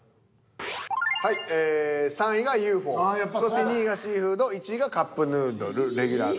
はい３位がＵ．Ｆ．Ｏ．そして２位がシーフード１位がカップヌードルレギュラー。